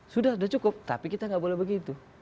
sudah cukup tapi kita gak boleh begitu